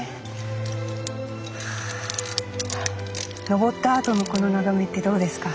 登ったあとのこの眺めってどうですか？